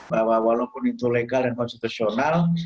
bahwa walaupun itu legal dan konstitusional